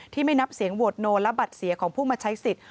ไม่นับเสียงโหวตโนและบัตรเสียของผู้มาใช้สิทธิ์